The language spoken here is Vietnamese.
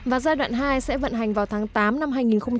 và giai đoạn hai sẽ vận hành vào tháng tám năm hai nghìn một mươi tám